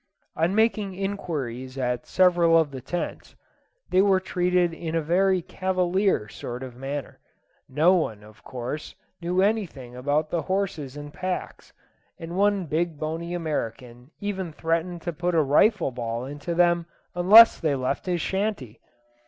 On making inquiries at several of the tents, they were treated in a very cavalier sort of manner. No one, of course, knew anything about their horses and packs, and one big bony American even threatened to put a rifle ball into them unless they left his shanty.